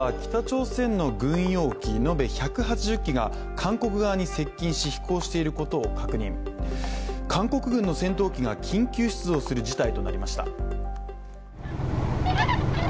そして、今日は北朝鮮の軍用機延べ１８０機が韓国側に接近し飛行していることを確認、韓国軍の戦闘機が緊急出動する事態となりました。